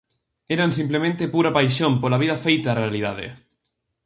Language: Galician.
Eran simplemente pura paixón pola vida feita realidade.